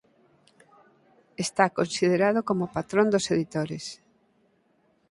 Está considerado como patrón dos editores.